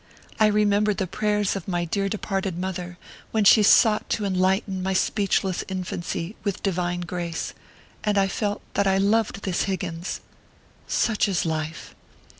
I re membered the prayers of my dear departed mother when she sought to enlighten my speechless infancy with divine grace, and I felt that I loved this Higgins. 68 ORPHEUS C. KERR PAPERS. Such is life.